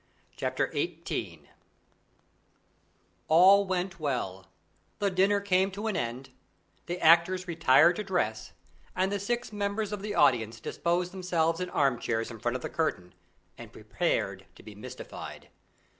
Chapter XVIII All went well; the dinner came to an end; the actors retired to dress, and the six members of the audience disposed themselves in armchairs in front of the curtain, and prepared to be mystified.